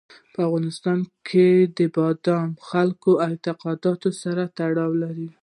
په افغانستان کې بادام د خلکو د اعتقاداتو سره تړاو لري.